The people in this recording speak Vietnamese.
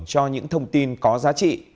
cho những thông tin có giá trị